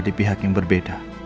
di pihak yang berbeda